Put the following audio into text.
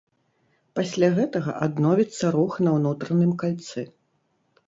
Пасля гэтага адновіцца рух на ўнутраным кальцы.